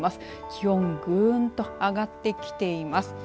気温ぐんと上がってきています。